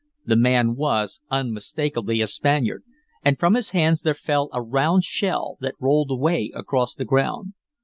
The man was unmistakably a Spaniard, and from his hands there fell a round shell, that rolled away across the ground.